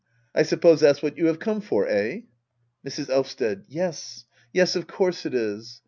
I suppose that's what you have come for — eh ? Mrs. Elvsted. Yes, yes — of course it is.